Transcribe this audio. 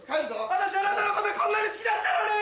私あなたのことこんなに好きだったのに！